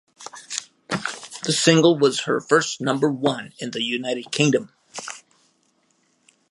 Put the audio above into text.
The single was her first number one in the United Kingdom.